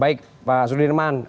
baik pak sudirman